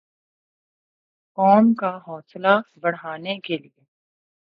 قوم کا حوصلہ بڑھانے کیلئے